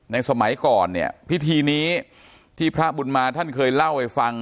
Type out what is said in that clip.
สมัยก่อนเนี่ยพิธีนี้ที่พระบุญมาท่านเคยเล่าให้ฟัง